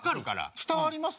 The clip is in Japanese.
伝わります？